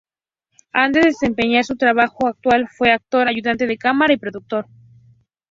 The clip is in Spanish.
Antes de desempeñar su trabajo actual fue actor, ayudante de cámara y productor.